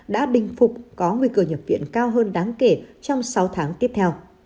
đã bình phục có nguy cơ nhập viện cao hơn đáng kể trong sáu tháng tiếp theo